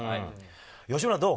吉村どう？